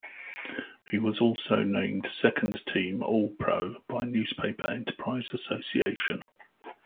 He was also named Second Team All-Pro by Newspaper Enterprise Association.